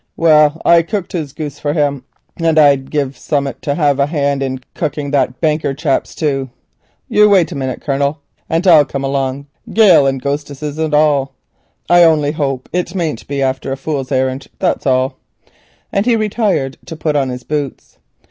Well, I cooked his goose for him, and I'd give summut to have a hand in cooking that banker chap's too. You wait a minute, Colonel, and I'll come along, gale and ghostesses and all. I only hope it mayn't be after a fool's arrand, that's all," and he retired to put on his boots.